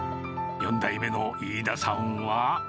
４代目の飯田さんは。